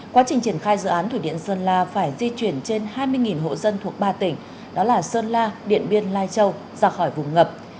quá trình triển khai dự án thủy điện sơn la phải di chuyển trên hai mươi hộ dân thuộc ba tỉnh đó là sơn la điện biên lai châu ra khỏi vùng ngập